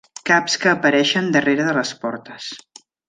Caps que apareixen darrere de les portes.